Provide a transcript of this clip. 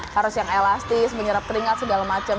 harus yang elastis menyerap keringat segala macam